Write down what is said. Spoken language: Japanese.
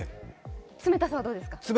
冷たさはどうですか？